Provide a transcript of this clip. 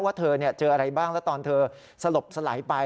ว่าเธอเจออะไรบ้างแล้วตอนเธอสลบสลายไป